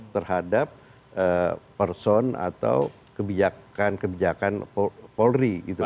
terhadap person atau kebijakan kebijakan polri gitu